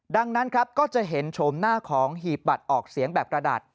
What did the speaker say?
ดังนั้นครับก็จะเห็นโฉมหน้าของหีบบัตรออกเสียงแบบกระดาษ